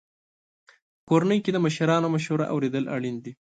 په کورنۍ کې د مشرانو مشوره اورېدل اړین دي.